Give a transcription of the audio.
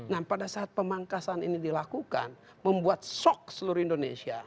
dan pada saat pemangkasan ini dilakukan membuat shock seluruh indonesia